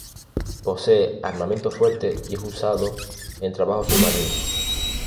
Posee armamento fuerte y es usado en trabajos submarinos.